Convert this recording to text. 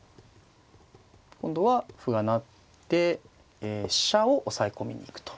今度は歩が成って飛車を押さえ込みに行くということですね。